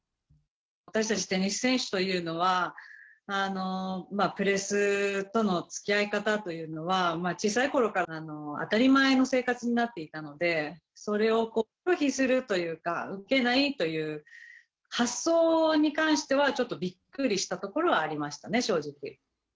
私たちテニス選手というのは、プレスとのつきあい方というのは、小さいころから当たり前の生活になっていたので、それを拒否するというか、受けないという発想に関しては、ちょっとびっくりしたところはありましたね、正直。